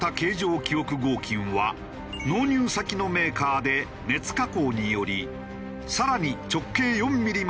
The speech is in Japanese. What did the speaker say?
記憶合金は納入先のメーカーで熱加工により更に直径４ミリまで引き伸ばされる。